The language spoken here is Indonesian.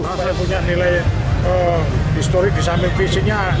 apalagi punya nilai histori disamil visinya